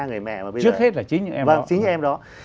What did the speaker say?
người mẹ mà bây giờ trước hết là chính những em đó